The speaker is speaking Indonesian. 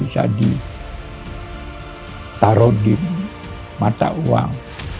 untuk bisa di taro di mata uang